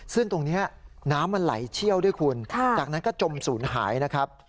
ซึ่งตรงนี้น้ำมันไหลเชี่ยวด้วยคุณจากนั้นก็จมศูนย์หายนะครับ